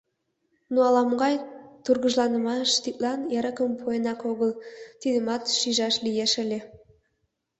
Но ала-могай тургыжланымаш тудлан эрыкым пуэнак огыл, тидымат шижаш лиеш ыле.